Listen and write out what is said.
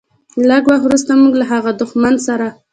لږ وخت وروسته موږ له هغه دښمن سره.